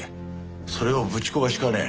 それをぶち壊しかねん。